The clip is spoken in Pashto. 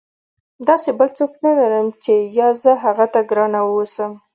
داسې بل څوک نه لرم چې یا زه هغه ته ګرانه واوسم.